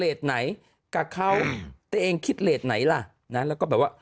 แต่จริงเดี๋ยวเอาแบบนี้มาแล้ว